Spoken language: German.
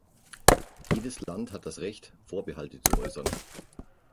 Jedes Land hat das Recht, Vorbehalte zu äußern.